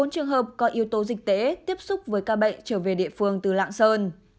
bốn trường hợp có yếu tố dịch tễ tiếp xúc với ca bệnh trở về địa phương từ lạng sơn